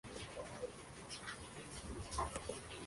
Un anzuelo de pesca debe ser duro, fuerte y no quebradizo.